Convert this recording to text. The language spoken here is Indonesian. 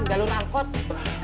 saya sudah lama sekali